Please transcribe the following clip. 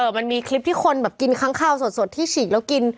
มันมีคลิปที่คนแบบกินค้างคาวสดที่ฉีกแล้วกิน